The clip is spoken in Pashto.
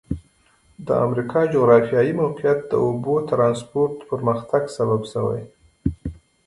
د امریکا جغرافیایي موقعیت د اوبو ترانسپورت پرمختګ سبب شوی.